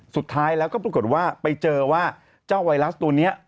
สุดท้ายแล้วก็ปรากฏว่าไปเจอว่าเจ้าไวรัสตัวนี้